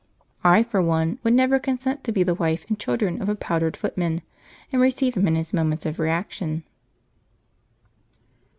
I for one would never consent to be the wife and children of a powdered footman, and receive him in his moments of reaction.